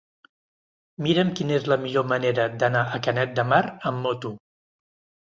Mira'm quina és la millor manera d'anar a Canet de Mar amb moto.